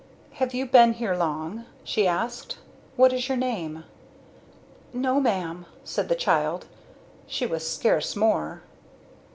"Have you been here long?" she asked. "What is your name?" "No, ma'am," said the child she was scarce more.